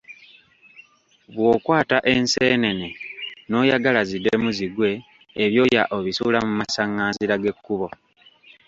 Bw'okwata enseenene n'oyagala ziddemu zigwe ebyoya obisuula mu masanganzira g'ekkubo.